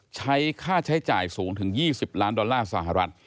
ใช้ค่าใช้จ่ายสูงถึง๒๐ล้านดอลลาร์สหรัฐ